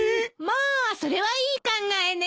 まあそれはいい考えね。